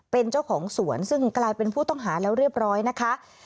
เป็นเจ้าของสวนซึ่งกลายเป็นผู้ต้องหาแล้วเรียบร้อยนะคะเป็นครราชกาลครูค่ะ